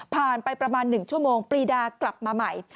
ไปประมาณ๑ชั่วโมงปลีดากลับมาใหม่